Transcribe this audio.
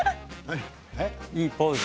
いいポーズ。